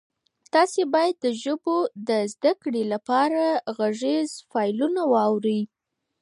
تاسي باید د ژبو د زده کړې لپاره غږیز فایلونه واورئ.